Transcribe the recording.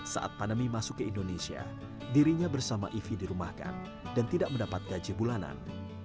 saat pandemi masuk ke indonesia dirinya bersama ivi dirumahkan dan tidak mendapat gaji bulanan